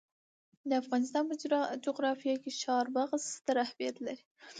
د افغانستان په جغرافیه کې چار مغز ستر اهمیت لري.